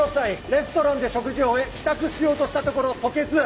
レストランで食事を終え帰宅しようとしたところ吐血。